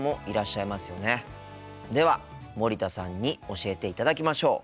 では森田さんに教えていただきましょう。